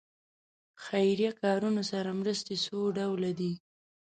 خیریه کارونو سره مرستې څو ډوله دي.